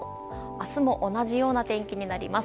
明日も同じような天気になります。